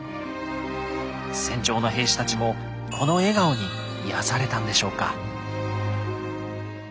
戦場の兵士たちもこの笑顔に癒やされたんでしょうか。